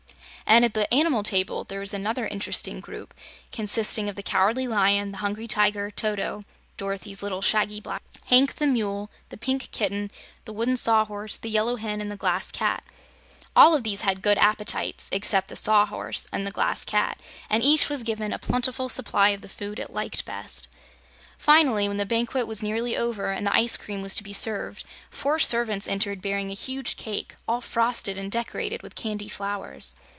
And, at the animal table, there was another interesting group, consisting of the Cowardly Lion, the Hungry Tiger, Toto Dorothy's little shaggy black dog Hank the Mule, the Pink Kitten, the Wooden Sawhorse, the Yellow Hen, and the Glass Cat. All of these had good appetites except the Sawhorse and the Glass Cat, and each was given a plentiful supply of the food it liked best. Finally, when the banquet was nearly over and the ice cream was to be served, four servants entered bearing a huge cake, all frosted and decorated with candy flowers.